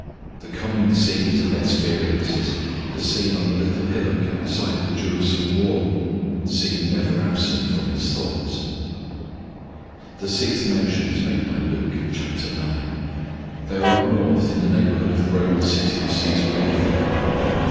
The coming scenes and experiences the scene on the little hillock outside the Jerusalem wall seem never absent from His thoughts. The sixth mention is made by Luke, chapter nine. They are up north in the neighbourhood of the Roman city of Cæsarea Philippi.